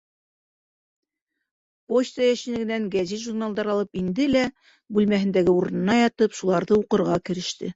Почта йәшнигенән гәзит-журналдар алып инде лә, бүлмәһендәге урынына ятып, шуларҙы уҡырға кереште.